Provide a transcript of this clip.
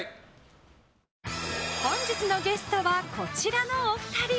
本日のゲストはこちらのお二人！